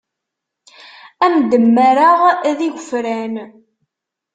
Ad am-d-mmareɣ d igefran.